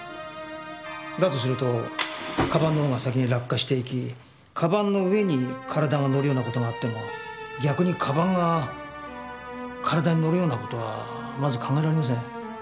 だとすると鞄のほうが先に落下していき鞄の上に体が乗るような事があっても逆に鞄が体に乗るような事はまず考えられません。